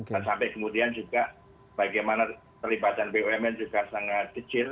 dan sampai kemudian juga bagaimana terlibatan bumn juga sangat kecil